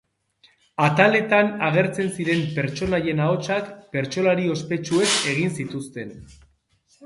Ataletan agertzen ziren pertsonaien ahotsak bertsolari ospetsuek egin zituzten.